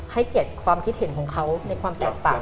ให้เกียรติความคิดเห็นของเขาในความแตกต่าง